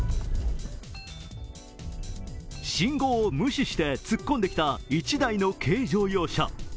信号を無視して突っ込んできた１台の軽乗用車。